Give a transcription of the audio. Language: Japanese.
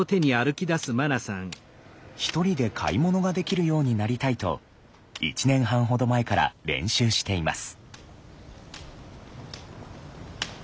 １人で買い物ができるようになりたいと１年半ほど前から練習しています。